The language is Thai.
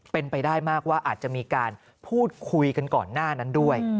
เป็นไปได้มากว่าอาจจะมีการพูดคุยกันก่อนหน้านั้นด้วย